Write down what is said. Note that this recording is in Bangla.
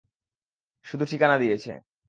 শুধু ঠিকানা দিয়েছে।